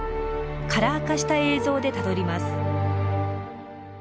カラー化した映像でたどります。